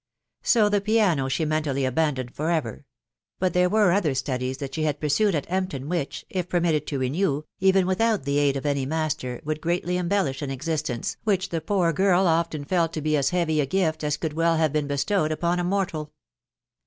So the piano she mentally abandoned for ever ; but there wese other studies that she had pursued at Empton, which, if per mitted to renew, even without the aid of any master, would greatly embellish an existence, which the poor girl often £ak to be as heavy a gift as could well have been bestowed upon a mortal.